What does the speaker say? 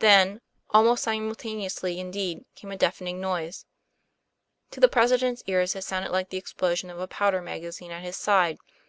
Then, almost simultaneously in deed, came a deafening noise. To the President's ears it sounded like the explosion of a powder mag azine at his side.